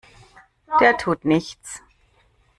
Der tut nichts!